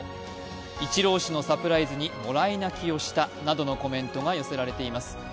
イチロー氏のサプライズにもらい泣きをしたなどのコメントが寄せられています。